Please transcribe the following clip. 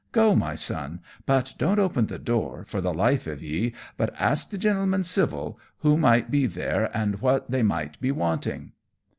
Go, my Son; but don't open the door, for the life of ye, but ask the gintlemen, civil, Who might be there, and what they might be wanting?"